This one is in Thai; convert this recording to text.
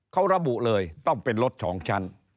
เขาระบุเลยต้องเป็นรถ๒ชั้น